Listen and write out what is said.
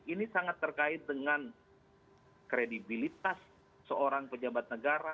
ini sangat terkait dengan kredibilitas seorang pejabat negara